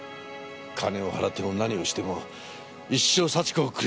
金を払っても何をしても一生幸子を苦しめる。